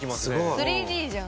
３Ｄじゃん。